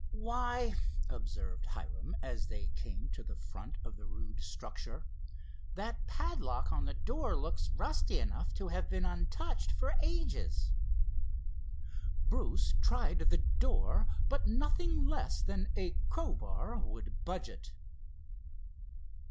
"Why," observed Hiram as they came to the front of the rude structure, "that padlock on the door looks rusty enough to have been untouched for ages." Bruce tried the door, but nothing less than a crowbar would budge it.